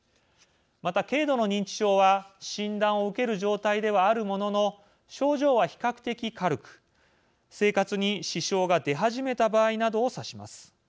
また軽度の認知症は診断を受ける状態ではあるものの症状は比較的軽く生活に支障が出始めた場合などを指します。